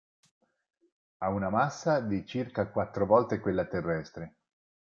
Ha una massa di circa quattro volte quella terrestre.